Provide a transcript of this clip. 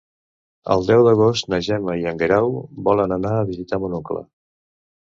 El deu d'agost na Gemma i en Guerau volen anar a visitar mon oncle.